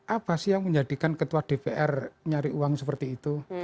apa sih yang menjadikan ketua dpr nyari uang seperti itu